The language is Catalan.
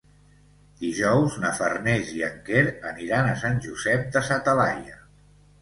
Dijous na Farners i en Quer aniran a Sant Josep de sa Talaia.